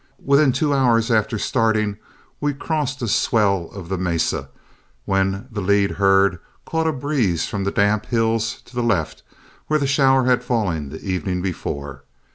Within two hours after starting we crossed a swell of the mesa, when the lead herd caught a breeze from off the damp hills to the left where the shower had fallen the evening before.